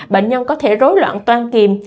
bệnh nhân có thể rối loạn toan kìm